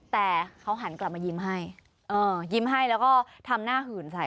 แต่เขาหันกลับมายิ้มให้ยิ้มให้แล้วก็ทำหน้าหื่นใส่